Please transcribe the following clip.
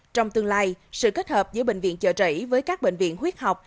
trong tương lai sự kết hợp giữa bệnh viện trợ đẩy với các bệnh viện huyết học